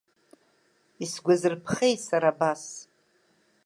Исгәазырԥхеи сара абас?